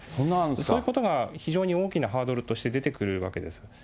そういうことが非常に大きなハードルとして出てくるわけです。